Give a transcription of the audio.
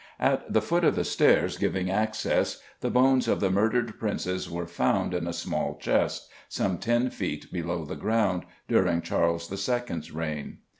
At the foot of the stairs giving access, the bones of the murdered Princes were found in a small chest, some ten feet below the ground, during Charles II.'s reign.